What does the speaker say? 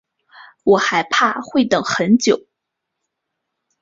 我还怕会等很久